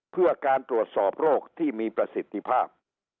เพื่อการตรวจสอบโรคที่มีประสิทธิภาพ